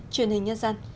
truyền hình nhân dân